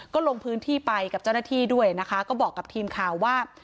ก็ลงพื้นที่ไปกับเจ้าหน้าที่ด้วยนะคะก็บอกกับทีมข่าวว่า